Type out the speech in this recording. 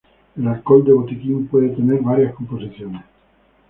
El alcohol de botiquín puede tener varias composiciones.